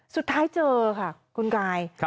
สุดท้ายเจอค่ะคุณกาย